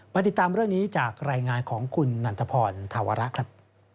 ติดตามเรื่องนี้จากรายงานของคุณนันทพรธาวระครับ